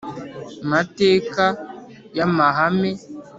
mateka ya mahame